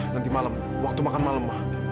nanti malem waktu makan malem ma